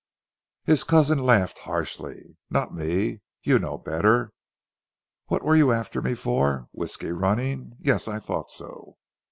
His cousin laughed harshly. "Not me, you know better. What were you after me for? Whisky running? Yes! I thought so.